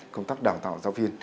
công tác đào tạo giáo viên